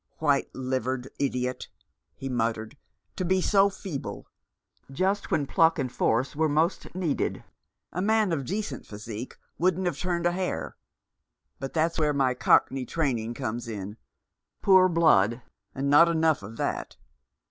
" White livered idiot !" he muttered, " to be so feeble, just when pluck and force were most needed. A man of decent physique wouldn't have turned a hair. But that's where my cockney training comes in — poor blood, and not enough of that.